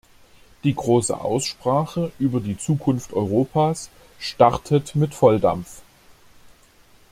Die große Aussprache über die Zukunft Europas startet mit Volldampf!